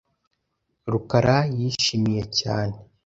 rukara yishimiye cyane